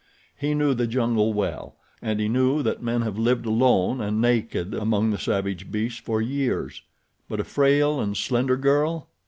He knew the jungle well, and he knew that men have lived alone and naked among the savage beasts for years; but a frail and slender girl!